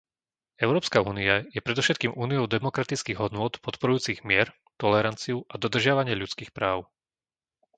Európska únia je predovšetkým úniou demokratických hodnôt podporujúcich mier, toleranciu a dodržiavanie ľudských práv.